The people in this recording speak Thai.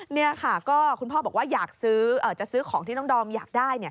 นี่ค่ะก็คุณพ่อบอกว่าอยากซื้อจะซื้อของที่น้องดอมอยากได้